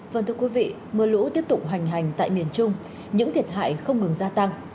vâng thưa quý vị mưa lũ tiếp tục hoành hành tại miền trung những thiệt hại không ngừng gia tăng